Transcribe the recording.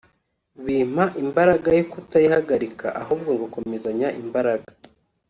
bimpa imbaraga yo kutayihagarika ahubwo ngakomezanya imbaraga